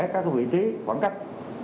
các vị trí khoảng cách